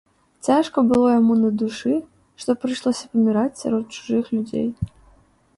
Цяжка было яму на душы, што прыйшлося паміраць сярод чужых людзей.